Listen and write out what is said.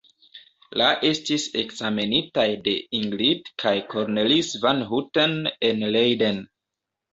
La estis ekzamenitaj de Ingrid kaj Cornelis van Houten en Leiden.